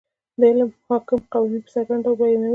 دا علم حاکم قوانین په څرګند ډول بیانوي.